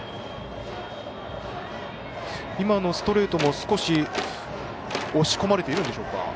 今のストレートも、少し押し込まれているんでしょうか。